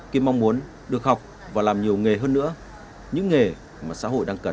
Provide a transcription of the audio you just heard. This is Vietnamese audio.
cái mong muốn được học và làm nhiều nghề hơn nữa những nghề mà xã hội đang cần